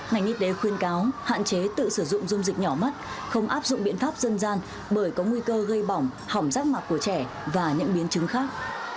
ngành y tế khuyên cáo hạn chế tự sử dụng dung dịch nhỏ mắt không áp dụng biện pháp dân gian bởi có nguy cơ gây bỏng hỏng rác mạc của trẻ và những biến chứng khác